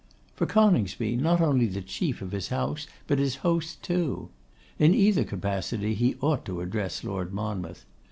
For Coningsby, not only the chief of his house, but his host too. In either capacity he ought to address Lord Monmouth.